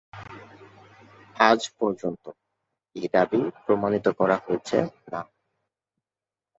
আজ পর্যন্ত, এই দাবি প্রমাণিত করা হয়েছে না।